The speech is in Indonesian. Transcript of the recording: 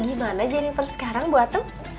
gimana jennifer sekarang bu atem